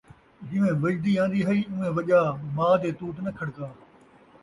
جیویں وڄدی آن٘دی ہئی ، اون٘ویں وڄا ، ماء دے توت ناں کھڑکا